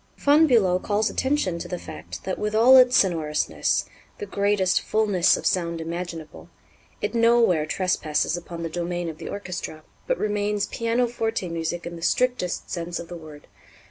Von Bülow calls attention to the fact that, with all its sonorousness, "the greatest fullness of sound imaginable," it nowhere trespasses upon the domain of the orchestra, but remains pianoforte music in the strictest sense of the word.